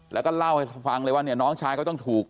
แล้วก็เล่าให้ฟังเลยว่าเนี่ยน้องชายเขาต้องถูก